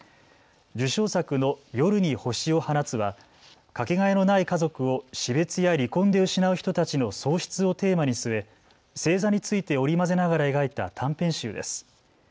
受賞作の夜に星を放つはかけがえのない家族を死別や離婚で失う人たちの喪失をテーマに据え、星座について織り交ぜながら描いた短編集です。